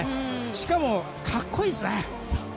しかもかっこいいですね。